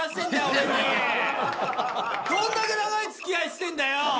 どんだけ長い付き合いしてんだよ！